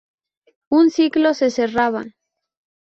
Un ciclo se cerraba.